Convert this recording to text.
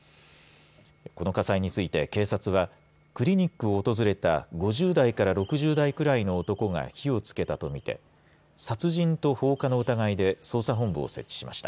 この火災について警察はクリニックを訪れた５０代から６０代くらいの男が火をつけたとみて殺人と放火の疑いで捜査本部を設置しました。